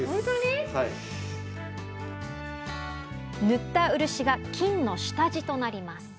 塗った漆が金の下地となります。